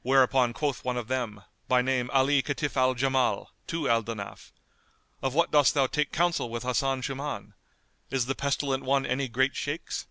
Whereupon quoth one of them, by name Ali Kitf al Jamal,[FN#209] to Al Danaf, "Of what dost thou take counsel with Hasan Shuman? Is the Pestilent one any great shakes?"